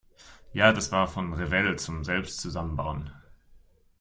Ja, das war von Revell, zum selbst zusammenbauen.